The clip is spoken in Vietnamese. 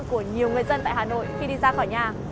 của nhiều người dân tại hà nội khi đi ra khỏi nhà